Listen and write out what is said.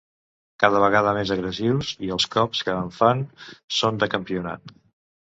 Cada vegada més agressius i els cops que em fan són de campionat.